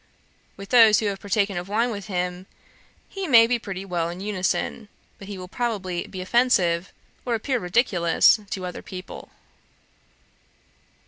With those who have partaken of wine with him, he may be pretty well in unison; but he will probably be offensive, or appear ridiculous, to other people.'